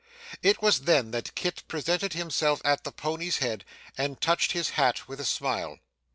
It was then that Kit presented himself at the pony's head, and touched his hat with a smile.